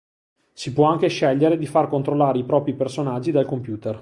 Si può anche scegliere di far controllare i propri personaggi dal computer.